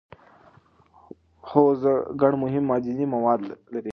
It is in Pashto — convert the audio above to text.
هوږه ګڼ مهم معدني مواد لري.